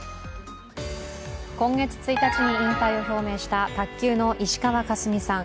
今月１日に引退を表明した卓球の石川佳純さん。